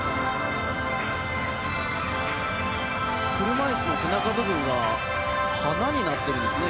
車いすの背中部分が花になっているんですね。